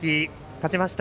勝ちました